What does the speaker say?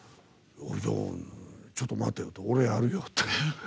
ちょっと待って俺やるよ！って。